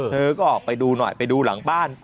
เธอก็ออกไปดูหน่อยไปดูหลังบ้าน